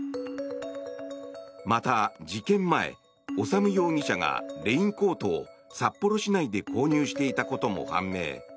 また事件前、修容疑者がレインコートを札幌市内で購入していたことも判明。